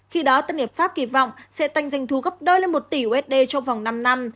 khi đó tân hiệp pháp kỳ vọng sẽ tăng doanh thu gấp đôi lên một tỷ usd trong vòng năm năm